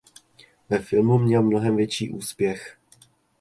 Ve filmu měl mnohem větší úspěch.